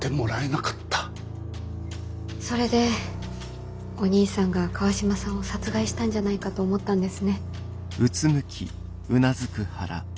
それでお兄さんが川島さんを殺害したんじゃないかと思ったんですね。